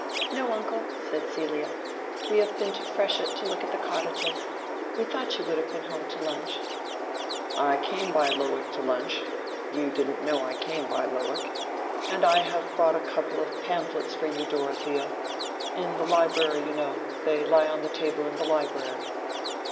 "No, uncle," said Celia, "we have been to Freshitt to look at the cottages. We thought you would have been at home to lunch." "I came by Lowick to lunch—you didn't know I came by Lowick. And I have brought a couple of pamphlets for you, Dorothea—in the library, you know; they lie on the table in the library."